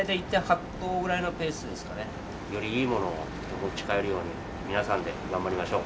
よりいいものを持ち帰るように皆さんで頑張りましょう。